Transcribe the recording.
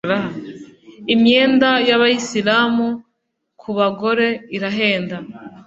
imyenda yabayisilamu kubagore irahenda